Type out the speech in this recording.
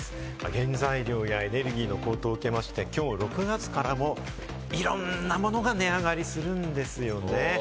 原材料やエネルギーの高騰を受けて、きょう６月からも、さまざまなものが値上がりするんですよね。